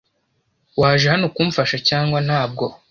Waje hano kumfasha cyangwa ntabwo?